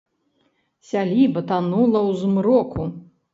Сяліба танула ў змроку.